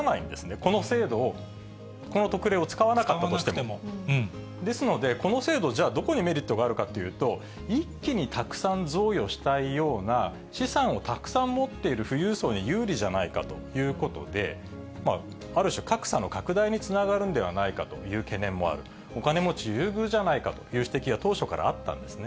この制度を、この特例を使わなかったとしても。ですので、この制度、じゃあ、どこにメリットがあるかというと、一気にたくさん贈与したいような、資産をたくさん持っている富裕層に有利じゃないかということで、まあ、ある種、格差の拡大につながるんではないかという懸念もある、お金持ち優遇じゃないかという指摘が、当初からあったんですね。